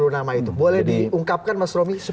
sepuluh nama itu boleh diungkapkan mas romi